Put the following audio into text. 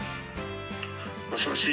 もしもし？